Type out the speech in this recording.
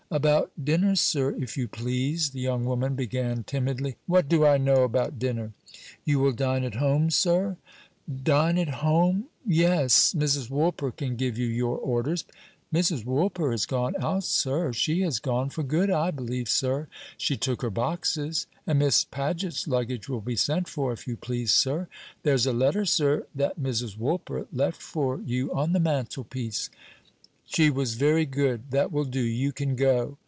"About dinner, sir, if you please?" the young woman began timidly. "What do I know about dinner?" "You will dine at home, sir?" "Dine at home? Yes; Mrs. Woolper can give you your orders." "Mrs. Woolper has gone out, sir. She has gone for good, I believe, sir; she took her boxes. And Miss Paget's luggage will be sent for, if you please, sir. There's a letter, sir, that Mrs. Woolper left for you on the mantelpiece." "She was very good. That will do; you can go."